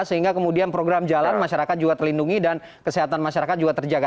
sehingga kemudian program jalan masyarakat juga terlindungi dan kesehatan masyarakat juga terjaga